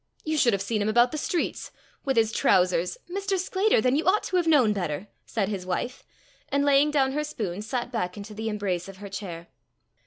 "You should have seen him about the streets! with his trowsers " "Mister Sclater! Then you ought to have known better!" said his wife, and laying down her spoon, sat back into the embrace of her chair.